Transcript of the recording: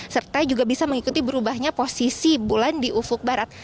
serta juga bisa mengikuti berubahnya posisi bulan di ufuk barat